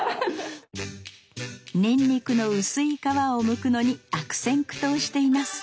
にんにくの薄い皮をむくのに悪戦苦闘しています。